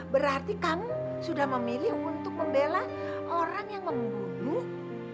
berarti kami sudah memilih untuk membela orang yang membunuh